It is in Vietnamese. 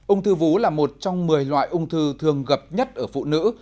ung thư vú là một trong một mươi loại ung thư thường gặp nhất ở phụ nữ